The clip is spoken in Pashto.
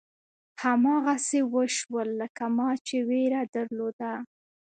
هماغسې وشول لکه ما چې وېره درلوده.